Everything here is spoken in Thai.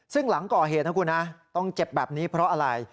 ซึ่งหลังก่อเหตุนะคุณนะต้องเจ็บแบบนี้เพราะอะไร